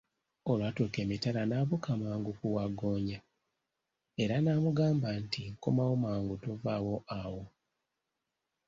Olwatuuka emitala n'abuuka mangu ku wagggoonya era n'amugamba nti, nkomawo mangu, tovaawo awo!